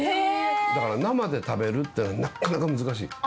だから生で食べるっていうのはなかなか難しい。